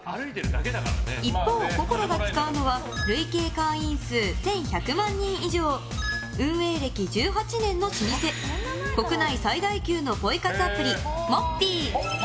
一方、こゝろが使うのは累計会員数１１００万人以上運営歴１８年の老舗国内最大級のポイ活アプリモッピー。